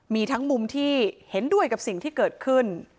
มีทั้งมุมที่เห็นด้วยกับสิ่งที่เกิดขึ้น